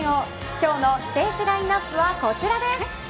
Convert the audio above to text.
今日のステージラインアップはこちらです。